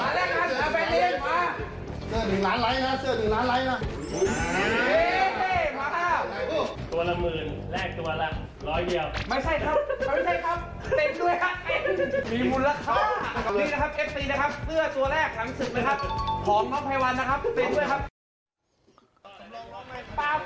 ของน้องไพวัลนะครับเตรียมด้วยครับ